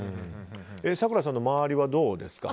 咲楽さんの周りはどうですか？